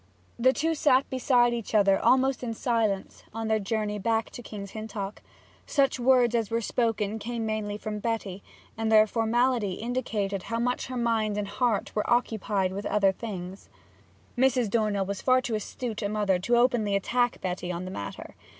The two sat beside each other almost in silence on their journey back to King's Hintock. Such words as were spoken came mainly from Betty, and their formality indicated how much her mind and heart were occupied with other things. Mrs. Dornell was far too astute a mother to openly attack Betty on the matter.